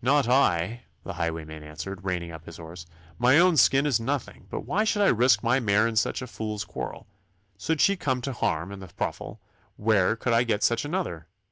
'Not I,' the highwayman answered, reining up his horse. 'My own skin is nothing, but why should I risk my mare in such a fool's quarrel? Should she come to harm in the ruffle, where could I get such another?